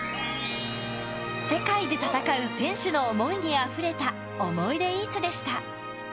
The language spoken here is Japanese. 世界で戦う選手の思いにあふれたオモイデイーツでした